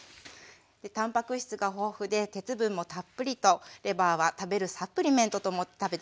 たんぱく質が豊富で鉄分もたっぷりとレバーは食べるサプリメントと思って食べてます。